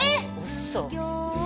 嘘。